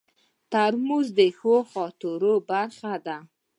ترموز د ښو خاطرو برخه ده.